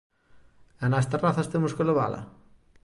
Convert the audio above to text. E nas terrazas temos que levala?